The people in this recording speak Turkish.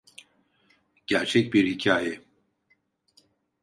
Gerçek bir hikaye.